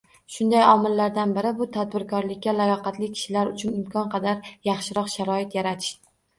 Shunday omillardan biri bu – tadbirkorlikka layoqatli kishilar uchun imkon qadar yaxshiroq sharoit yaratish.